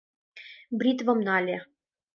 Бритвым нале.